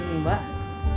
ini mbak mbak ketinggalan